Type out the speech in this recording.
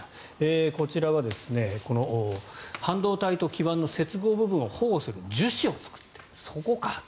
こちらは半導体と基板の接合部分を保護する樹脂を作っているそこかと。